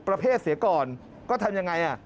ประเภทเสียก่อนก็ทำยังไง